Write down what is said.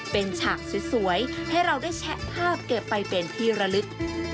เป็นฉากสวยให้เราได้แชะภาพเก็บไปเป็นที่ระลึก